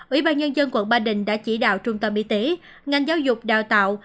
ủy ban nhân dân quận ba đình đã chỉ đạo trung tâm y tế ngành giáo dục đào tạo